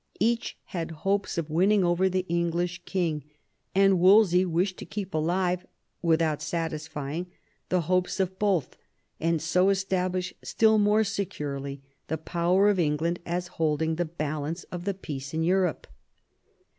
Each had hopes of winning over the English king, and Wolsey wished to keep alive, without satisfying, the hopes of both, and so establish still more securely the power of England as holding the balance of the peace of Europe.